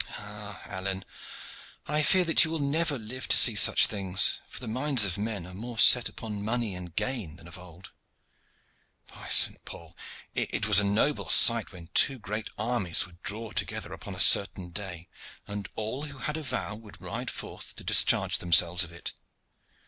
"Ah! Alleyne, I fear that you will never live to see such things, for the minds of men are more set upon money and gain than of old. By Saint Paul! it was a noble sight when two great armies would draw together upon a certain day, and all who had a vow would ride forth to discharge themselves of it.